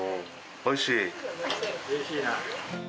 おいしいな。